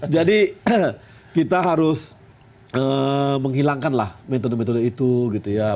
jadi kita harus menghilangkanlah metode metode itu gitu ya